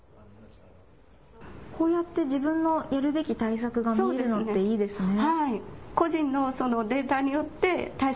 こうやって自分のやるべき対策が見えるのっていいですね。